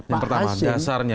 yang pertama dasarnya ya